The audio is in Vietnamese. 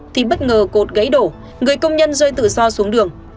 thì bất ngờ cột gãy đổ người công nhân rơi tự do xuống đường